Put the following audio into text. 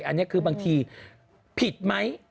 อันนี้คือบางทีผิดไหม